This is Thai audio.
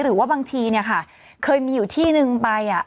หรือว่าบางทีเนี่ยค่ะเคยมีอยู่ที่นึงไป